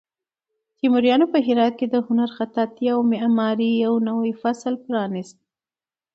تیموریانو په هرات کې د هنر، خطاطۍ او معمارۍ یو نوی فصل پرانیست.